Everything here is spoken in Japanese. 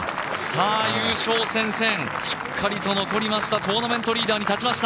優勝戦線、しっかりと残りましたトーナメントリーダーに立ちました！